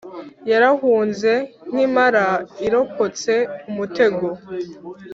yarahunze nk’impara irokotse umutego!